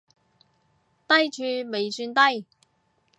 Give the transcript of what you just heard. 低處未算低